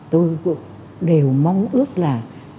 tôi đều mong ước là